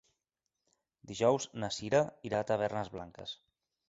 Dijous na Cira irà a Tavernes Blanques.